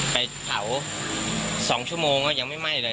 ไปเผา๒ชั่วโมงก็ยังไม่ไหม้เลย